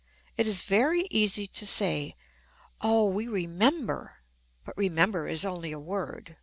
It is very easy to say, "Oh, we remember." But remember is only a word.